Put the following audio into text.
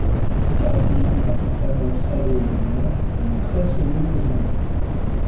Caractérisé par sa saveur salée et amère, il est très soluble dans l'eau.